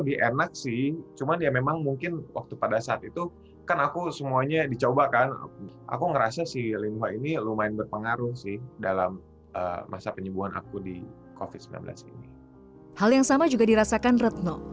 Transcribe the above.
hal yang sama juga dirasakan retno